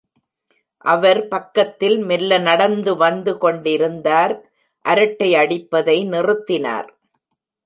அவர் பக்கத்தில் மெல்ல நடந்துவந்து கொண்டிருந்தார், அரட்டையடிப்பதை நிறுத்தினார்.